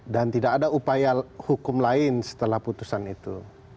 dan tidak ada upaya hukum lain setelah putusan itu